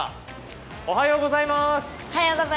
おはようございます。